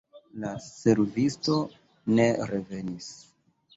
La servisto ne revenis.